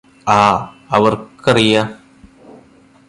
ആ അവർക്കറിയാം